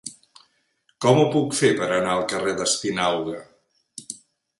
Com ho puc fer per anar al carrer d'Espinauga?